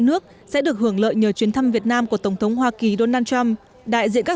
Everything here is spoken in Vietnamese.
nước sẽ được hưởng lợi nhờ chuyến thăm việt nam của tổng thống hoa kỳ donald trump đại diện các